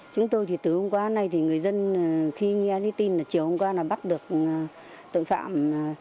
chúng tôi từ hôm qua nay người dân khi nghe tin chiều hôm qua bắt được tội phạm